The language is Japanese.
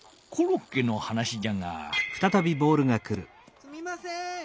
すみません！